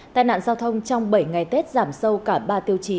tai nạn giao thông trong bảy ngày tết giảm sâu cả ba tiêu chí